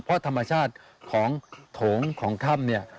เพราะธรรมชาติของโถงของถ้ำเนี่ย